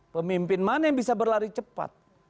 pemimpin mana yang bisa berlari cepat